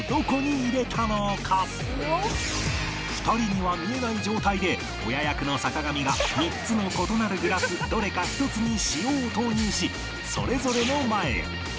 ２人には見えない状態で親役の坂上が３つの異なるグラスどれか１つに塩を投入しそれぞれの前へ